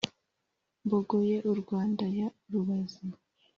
Mbogoye u Rwanda ya Rubazi